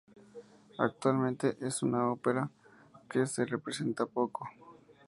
Actualmente, es una ópera que se representa poco.